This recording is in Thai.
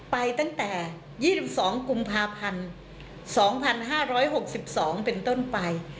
ไปตั้งแต่๒๒กุมภาพันธ์๒๕๖๒เป็นต้นไป